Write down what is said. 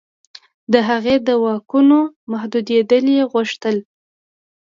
د هغې د واکونو محدودېدل یې غوښتل.